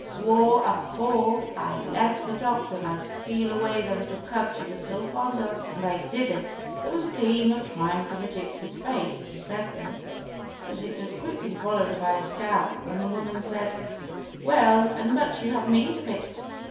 swore, afore I left the dock, that I'd steal away the little cub she was so fond of and I did it!" There was a gleam of triumph in the gypsy's face as he said this, but it was quickly followed by a scowl when the woman said "Well, and much you have made of it.